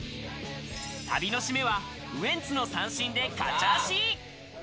旅の締めはウエンツの三線でカチャーシー。